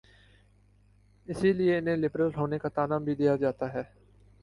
اسی لیے انہیں لبرل ہونے کا طعنہ بھی دیا جاتا ہے۔